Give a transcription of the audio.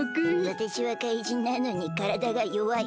わたしは怪人なのにからだがよわい！